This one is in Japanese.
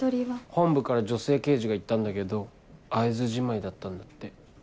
本部から女性刑事が行ったんだけど会えずじまいだったんだって。